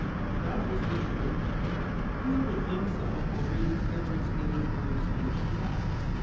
That was the truth. Who ever thinks of or reads Everett's Gettysburg speech now?